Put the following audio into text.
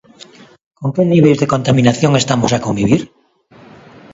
Con que niveis de contaminación estamos a convivir?